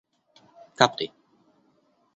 kapti